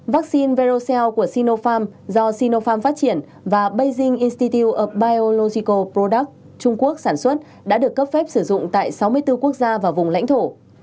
ba vaccine verocell của sinopharm do sinopharm phát triển và beijing institute of biological products trung quốc sản xuất đã được cấp phép sử dụng tại sáu mươi bốn quốc gia và vùng lãnh thổ